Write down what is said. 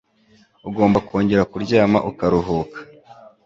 Ugomba kongera kuryama ukaruhuka